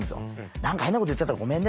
「何か変なこと言っちゃったらごめんね。